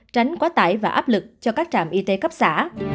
tránh quá tải và áp lực cho các trạm y tế cấp xã